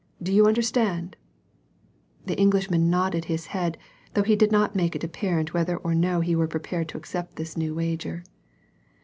Do you understand ?" The Englishman nodded his head, though he did not make it apparent whether or no he were prepared to accept this new wager.